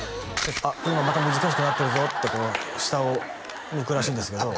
「あっ今また難しくなってるぞ」ってこう下を向くらしいんですけど